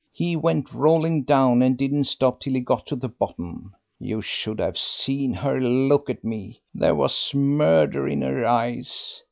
He went rolling down, and didn't stop till he got to the bottom. You should have seen her look at me; there was murder in her eyes.